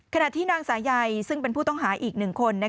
ขณะที่นางสายัยซึ่งเป็นผู้ต้องหาอีก๑คน